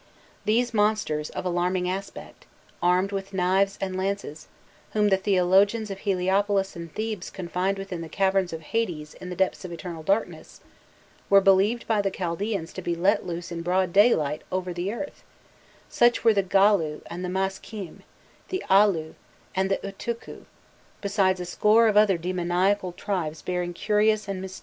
These monsters of alarming aspect, armed with knives and lances, whom the theologians of Heliopolis and Thebes confined within the caverns of Hades in the depths of eternal darkness, were believed by the Chaldaeans to be let loose in broad daylight over the earth, such were the "gallu" and the "mas kim," the "alu" and the "utukku," besides a score of other demoniacal tribes bearing curious and mysterious names.